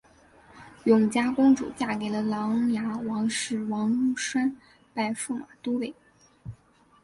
永嘉公主嫁给了琅琊王氏王铨拜驸马都尉。